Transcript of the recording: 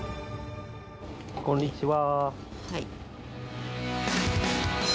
こんにちは。